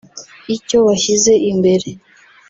icyo bashyize imbere